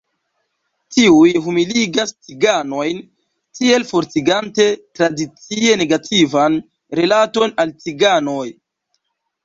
Tiuj humiligas ciganojn, tiel fortigante tradicie negativan rilaton al ciganoj.